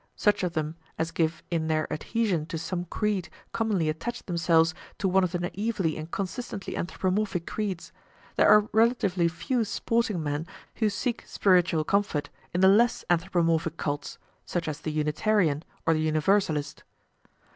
Such of them as give in their adhesion to some creed commonly attach themselves to one of the naively and consistently anthropomorphic creeds; there are relatively few sporting men who seek spiritual comfort in the less anthropomorphic cults, such as the Unitarian or the Universalist.